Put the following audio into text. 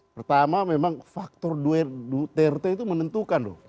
pertama memang faktor duterte itu menentukan loh